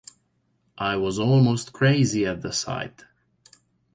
I was almost crazy at the sight.